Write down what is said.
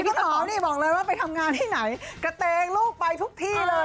ต่อนี่บอกเลยว่าไปทำงานที่ไหนกระเตงลูกไปทุกที่เลย